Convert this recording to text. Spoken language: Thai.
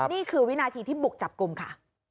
นี่คือวินาทีที่บุกจับกลุ่มค่ะ